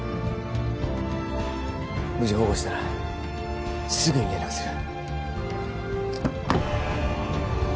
無事保護したらすぐに連絡する